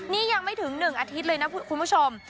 นี่ยังไม่ถึง๑อาทิตย์เลยนะคุณผู้ชม